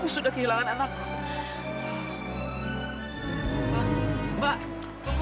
sudah kehilangan anak